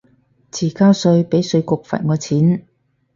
遲交稅被稅局罰我錢